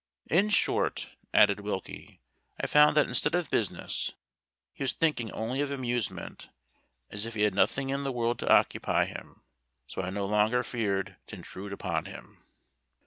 "In short," added Wilkie, "I found that instead of business, he was thinking only of amusement, as if he had nothing in the world to occupy him; so I no longer feared to intrude upon him."